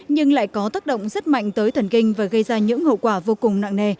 nhưng lại có tác động rất mạnh tới thần kinh và gây ra những hậu quả vô cùng nặng nề